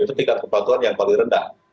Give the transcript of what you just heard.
itu tiga kepatuan yang paling rendah